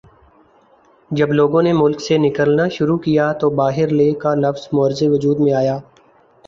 جب لوگوں نے ملک سے نکلنا شروع کیا تو باہرلے کا لفظ معرض وجود میں آیا